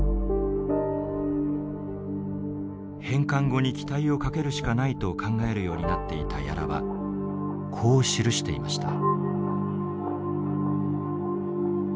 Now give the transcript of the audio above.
返還後に期待をかけるしかないと考えるようになっていた屋良はこう記していました。